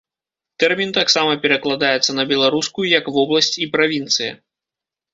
Тэрмін таксама перакладаецца на беларускую як вобласць і правінцыя.